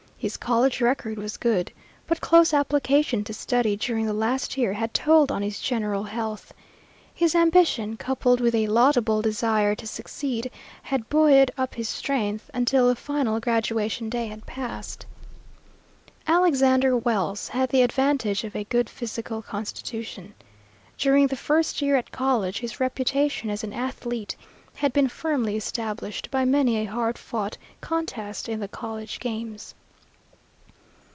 His college record was good, but close application to study during the last year had told on his general health. His ambition, coupled with a laudable desire to succeed, had buoyed up his strength until the final graduation day had passed. Alexander Wells had the advantage of a good physical constitution. During the first year at college his reputation as an athlete had been firmly established by many a hard fought contest in the college games.